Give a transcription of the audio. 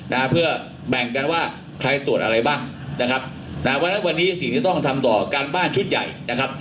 นะฮะเพื่อแบ่งกันว่าใครตรวจอะไรบ้างนะครับนะวันนั้นวันนี้สิ่งที่ต้องทำต่อการบ้านชุดใหญ่นะครับ